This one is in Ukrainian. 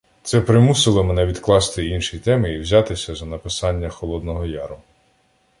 Це примусило мене відкласти інші теми і взятися за написання "Холодного Яру".